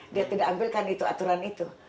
dia tidak ambilkan itu aturan itu